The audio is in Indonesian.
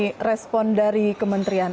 bagaimana respon dari kementerian